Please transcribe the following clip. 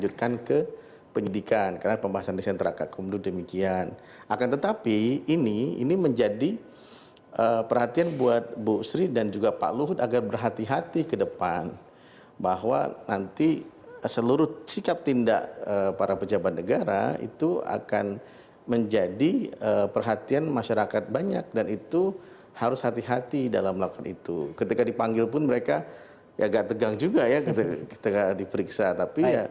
jadi saya ingin mengambilkan ke penyidikan karena pembahasan desain terakak kemudian demikian akan tetapi ini ini menjadi perhatian buat bu sri dan juga pak luhut agar berhati hati ke depan bahwa nanti seluruh sikap tindak para pejabat negara itu akan menjadi perhatian masyarakat banyak dan itu harus hati hati dalam melakukan itu ketika dipanggil pun mereka ya agak tegang juga ya ketika diperiksa